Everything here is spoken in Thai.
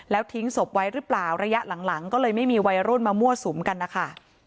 แล้วทิ้งศพไว้หรือเปล่าระยะหลังก็เลยไม่มีวัยรุ่นมามั่วสุมกันนะคะ